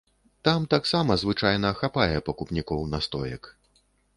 Там таксама звычайна хапае пакупнікоў настоек.